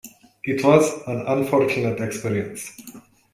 It was an unfortunate experience.